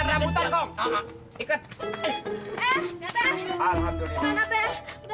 bangun bangun bangun